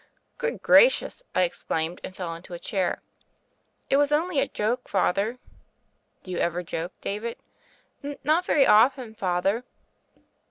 "Good gracious!" I exclaimed and fell into a chair. "It was only a joke. Father." "Do you ever joke, David?" "Not very often. Father."